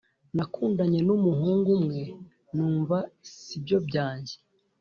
Nakundanye numuhungu umwe numva sibyo byanjye